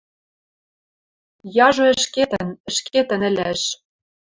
Яжо ӹшкетӹн, ӹшкетӹн ӹлӓш